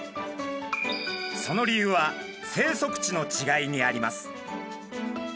その理由は生息地のちがいにあります。